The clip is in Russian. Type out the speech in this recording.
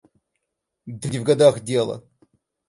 Да не в годах дело.